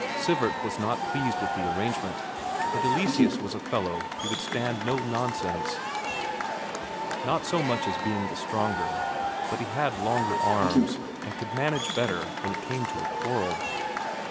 Sivert was not pleased with the arrangement, but Eleseus was a fellow who would stand no nonsense. Not so much as being the stronger, but he had longer arms, and could manage better when it came to a quarrel.